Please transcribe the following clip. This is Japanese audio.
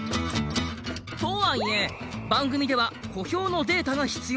とはいえ番組では小兵のデータが必要。